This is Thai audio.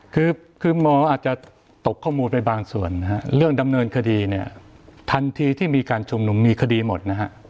คือหมออาจจะตกข้อมูลในบางส่วนเรื่องดำเนินคดีทันทีที่มีการชุมหนุมมีคดีหมด